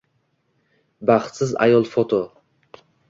Baxtsiz ayol foto